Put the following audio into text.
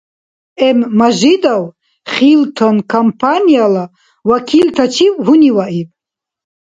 М.Мажидов «Хилтон» компанияла вакилтачил гьуниваиб